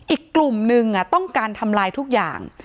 อีกกลุ่มนึงต้องการทำลายทุกอย่าง